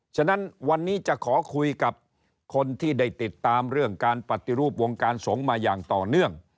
ฉะนั้นวันนี้จะขอคุยกับคนที่ได้ติดตามเรื่องการปฏิรูปวงการสงฆ์มาอย่างต่อเนื่อง